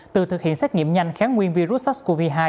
từ thực hiện xét nghiệm nhanh kháng nguyên virus sars cov hai